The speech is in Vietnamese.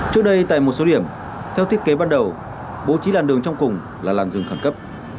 trước đây tại một số điểm theo thiết kế ban đầu bố trí làn đường trong cùng là làn rừng khẩn cấp